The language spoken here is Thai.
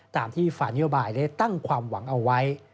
ตามที่ฟานโยบายได้ตั้งความหวังเอาไว้